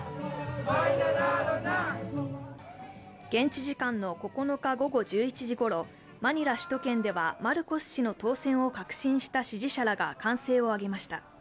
現地時間の９日午後１１時ごろマニラ首都圏内ではマルコス氏の当選を確信した支持者らが歓声を上げました。